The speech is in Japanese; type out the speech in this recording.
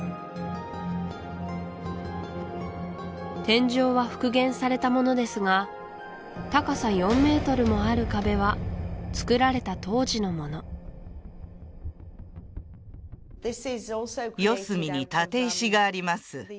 天井は復元されたものですが高さ４ｍもある壁はつくられた当時のもの四隅に立石があります